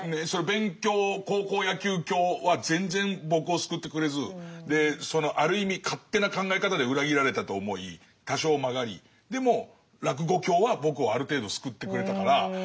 勉強・高校野球教は全然僕を救ってくれずそのある意味勝手な考え方で裏切られたと思い多少曲がりでも落語教は僕をある程度救ってくれたから。